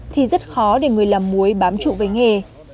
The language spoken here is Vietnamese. thì rất khó để người làm muối bám trụ với nghề